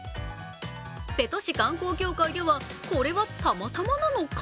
瀬戸市観光協会では、これはたまたまなのか？